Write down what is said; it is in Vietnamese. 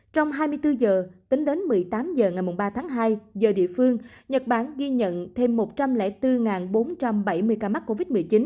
trong hai mươi bốn giờ tính đến một mươi tám h ngày ba tháng hai giờ địa phương nhật bản ghi nhận thêm một trăm linh bốn bốn trăm bảy mươi ca mắc covid một mươi chín